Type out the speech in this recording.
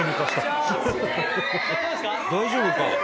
大丈夫か？